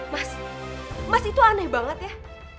mas mas itu aneh banget ya